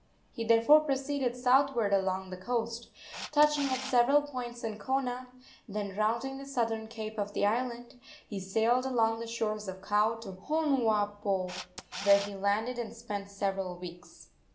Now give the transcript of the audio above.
He therefore proceeded southward along the coast, touching at several points in Kona; then rounding the southern cape of the island, he sailed along the shores of Kau to Honuapo, where he landed and spent several weeks.